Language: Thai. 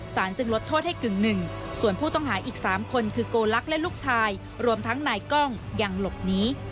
จึงลดโทษให้กึ่งหนึ่งส่วนผู้ต้องหาอีก๓คนคือโกลักษณ์และลูกชายรวมทั้งนายกล้องยังหลบหนี